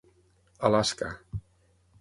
Alaska.